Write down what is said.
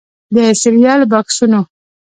د سیریل بکسونو